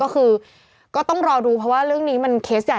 ก็คือก็ต้องรอดูเพราะว่าเรื่องนี้มันเคสใหญ่